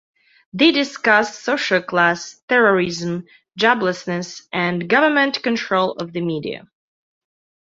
They discuss social class, terrorism, joblessness, and government control of the media.